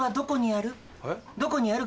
どこにある？